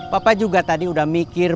papa juga tadi udah mikir